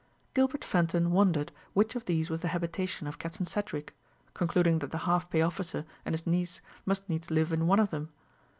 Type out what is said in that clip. Gilbert Fenton wondered which of these was the habitation of Captain Sedgewick, concluding that the half pay officer and his niece must needs live in one of them.